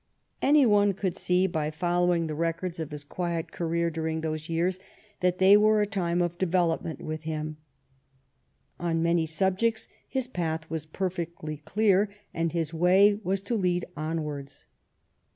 Any one could see by following the records of THE FREE TRADE STRUGGLE 115 his quiet career during those years that they were a time of development with him. On many subjects his path was perfectly clear, and his way was to lead onwards.